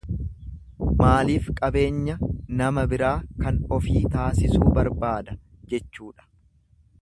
Maaliif qabeenya nama biraa kan ofíi taasisuu barbaada? jechuudha.